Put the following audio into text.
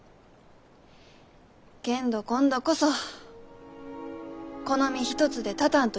けんど今度こそこの身一つで立たんといかん。